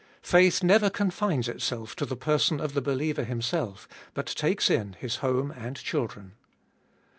Faith never confines itself to the person of the believer himself, but takes in his home and children.